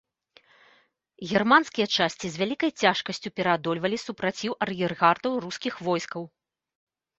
Германскія часці з вялікай цяжкасцю пераадольвалі супраціў ар'ергардаў рускіх войскаў.